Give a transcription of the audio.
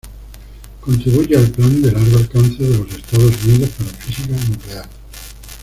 Contribuye al Plan de Largo Alcance de los Estados Unidos para Física Nuclear.